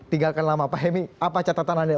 tinggalkan lama pak hemi apa catatan anda